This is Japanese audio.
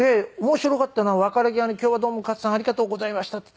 面白かったのは別れ際に「今日はどうも勝さんありがとうございました」って。